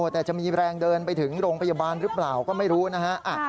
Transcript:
แต่จะมีแรงเดินไปถึงโรงพยาบาลหรือเปล่าก็ไม่รู้นะฮะ